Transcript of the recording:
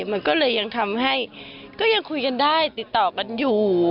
มันก็เลยยังทำให้ก็ยังคุยกันได้ติดต่อกันอยู่